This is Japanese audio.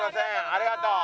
ありがとう。